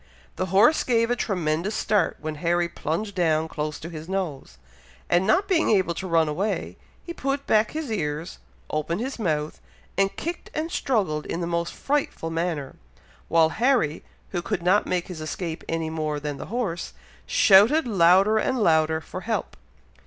The horse gave a tremendous start when Harry plunged down close to his nose, and not being able to run away, he put back his ears, opened his mouth, and kicked and struggled in the most frightful manner, while Harry, who could not make his escape any more than the horse, shouted louder and louder for help.